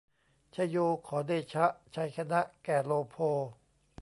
ไชโยขอเดชะ ชัยชนะแก่โลโภ